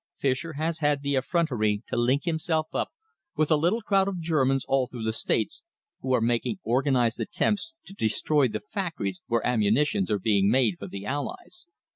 Fischer has had the effrontery to link himself up with a little crowd of Germans all through the States, who are making organised attempts to destroy the factories where ammunitions are being made for the Allies.